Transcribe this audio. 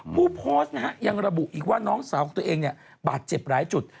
ผู้โพสต์นะฮะยังระบุอีกว่าน้องสาวของตัวเองบาดเจ็บหลายจุด